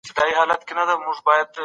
دوی ټولني ته ډېر خدمتونه کړي دي.